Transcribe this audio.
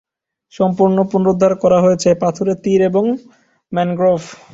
সম্পূর্ণ পুনরুদ্ধার করা হয়েছে পাথুরে তীর এবং ম্যানগ্রোভ।